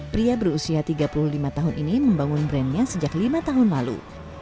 pria berusia tiga puluh lima tahun ini membangun brandnya sejak lima tahun lalu